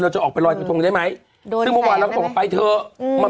เราจะออกไปไล่ตรงได้ไหม